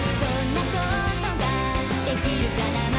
「どんなことが出来るかな」